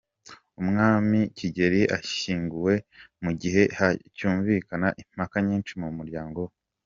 Umwami Kigeli ashyinguwe mu gihe hacyumvikana impaka nyinshi mu muryango we.